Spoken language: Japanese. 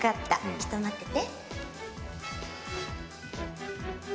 ちょっと待ってて。